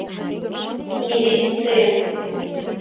— Милицийым...